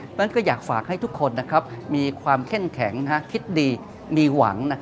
เพราะฉะนั้นก็อยากฝากให้ทุกคนมีความเข้มแข็งคิดดีมีหวัง